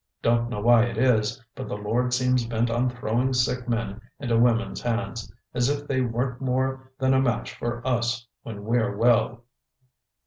Don't know why it is, but the Lord seems bent on throwing sick men into women's hands as if they weren't more than a match for us when we're well!"